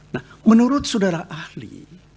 nah menurut saudara ahli